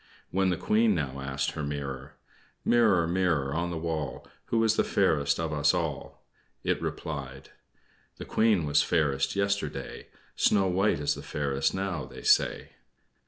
When the Queen now asked her mirror: "Mirror, mirror on the wall, Who is the fairest of us all?" it replied: "The Queen was fairest yesterday; Snow White is the fairest, now, they say."